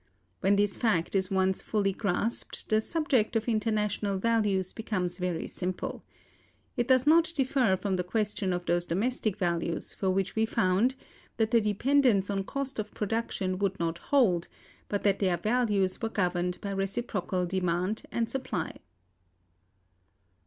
When this fact is once fully grasped, the subject of international values becomes very simple. It does not differ from the question of those domestic values for which we found(269) that the dependence on cost of production would not hold, but that their values were governed by reciprocal demand and supply.